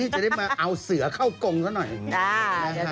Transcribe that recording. จะได้มาเอาเสือเข้ากงซะหน่อย